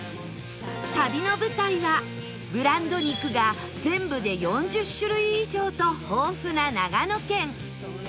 旅の舞台はブランド肉が全部で４０種類以上と豊富な長野県